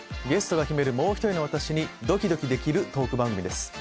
ゲストが秘めるもう１人の私に、ドキドキできるトーク番組です。